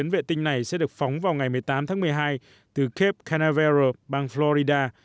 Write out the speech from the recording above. chín vệ tinh này sẽ được phóng vào ngày một mươi tám tháng một mươi hai từ cap canaveral bang florida